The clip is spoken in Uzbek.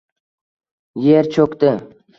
Yer cho’kdi.